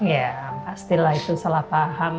ya pasti lah itu salah paham